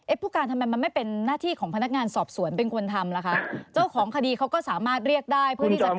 ผู้การทำไมมันไม่เป็นหน้าที่ของพนักงานสอบสวนเป็นคนทำล่ะคะเจ้าของคดีเขาก็สามารถเรียกได้เพื่อที่จะ